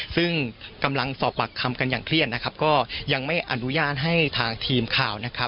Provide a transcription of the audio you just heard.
ซึ่งกำลังสอบปากคำกันอย่างเครียดนะครับก็ยังไม่อนุญาตให้ทางทีมข่าวนะครับ